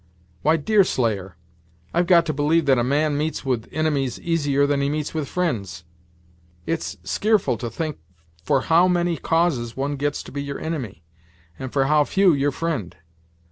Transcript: "Why, Deerslayer, I've got to believe that a man meets with inimies easier than he meets with fri'nds. It's skearful to think for how many causes one gets to be your inimy, and for how few your fri'nd.